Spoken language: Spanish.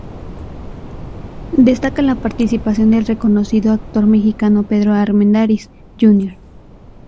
Destaca la participación del reconocido actor mexicano Pedro Armendáriz Jr.